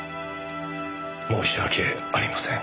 申し訳ありません。